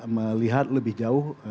melihat lebih jauh